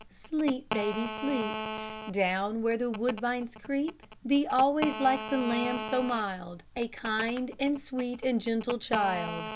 Sleep, baby, sleep, Down where the woodbines creep; Be always like the lamb so mild, A kind, and sweet, and gentle child.